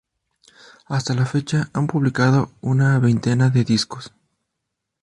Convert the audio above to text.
Hasta la fecha han publicado una veintena de discos.